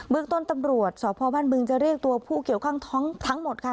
เมืองต้นตำรวจสพบ้านบึงจะเรียกตัวผู้เกี่ยวข้องทั้งหมดค่ะ